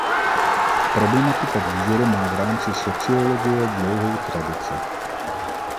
Problematika důvěry má v rámci sociologie dlouhou tradici.